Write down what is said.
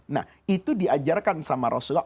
nah itu diajarkan sama rasulullah